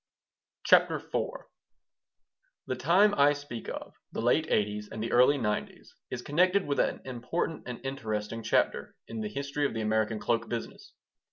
CHAPTER IV THE time I speak of, the late '80's and the early '90's, is connected with an important and interesting chapter in the history of the American cloak business.